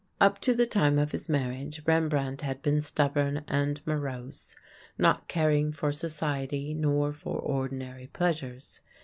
Up to the time of his marriage Rembrandt had been stubborn and morose, not caring for society nor for ordinary pleasures.